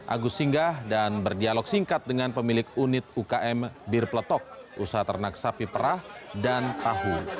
agus singgah dan berdialog singkat dengan pemilik unit ukm bir peletok usaha ternak sapi perah dan tahu